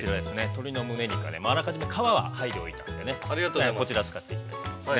鶏のむね肉はあらかじめ皮は剥いでおいたのでこちらを使っていきたいと思います。